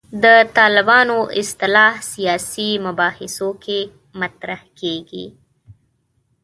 د طالبانو اصطلاح سیاسي مباحثو کې مطرح کېږي.